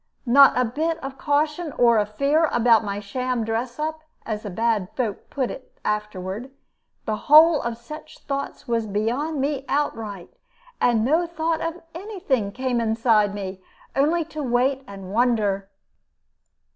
Not a bit of caution or of fear about my sham dress up, as the bad folk put it afterward; the whole of such thoughts was beyond me outright, and no thought of any thing came inside me, only to wait and wonder.